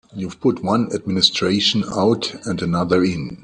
You've put one administration out and another in.